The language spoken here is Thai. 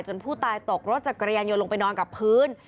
ผู้ตายตกรถจักรยานยนต์ลงไปนอนกับพื้น